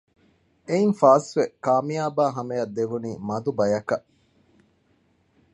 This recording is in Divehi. އެއިން ފާސްވެ ކާމިޔާބާ ހަމައަށް ދެވެނީ މަދުބަޔަކަށް